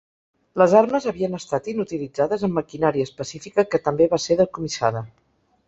Les armes havien estat inutilitzades amb maquinària específica que també va ser decomissada.